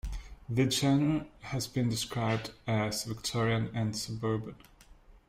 The genre has been described as 'Victorian and suburban'.